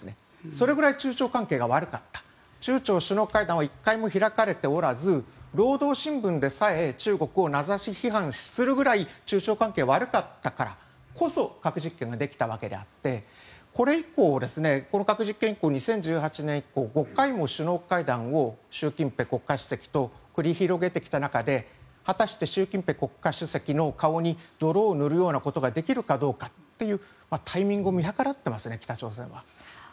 それくらい中朝関係が悪かった中朝首脳会談は１回も開かれておらず労働新聞でさえ中国を名指し批判するくらい中朝関係は悪かったからこそ核実験ができたわけでこれ以降、この核実験以降２０１８年以降５回も首脳会談を習近平国家主席と繰り広げてきた中で果たして習近平国家主席の顔に泥を塗るようなことができるかどうかというタイミングを見計らってますね北朝鮮は。